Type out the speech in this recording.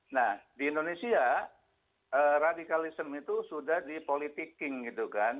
nah di indonesia radikalisme itu sudah dipolitiking gitu kan